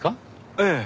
ええ。